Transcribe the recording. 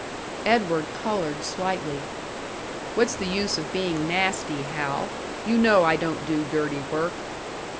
Edward coloured slightly. "What's the use of being nasty, Hal? You know I don't do dirty work."